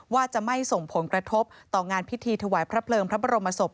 ว่าจะไม่ส่งผลกระทบต่องานพิธีถวายพระเพลิงพระบรมศพ